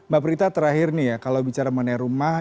mbak prita terakhir nih ya kalau bicara mengenai rumah